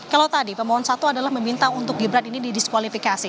kalau tadi pemohon satu adalah meminta untuk gibran ini didiskualifikasi